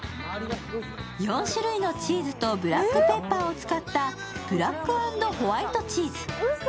４種類のチーズとブラックペッパーを使ったブラック＆ホワイトチーズ。